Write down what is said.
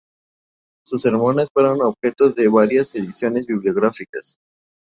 Sus sermones fueron objeto de varias ediciones bibliográficas.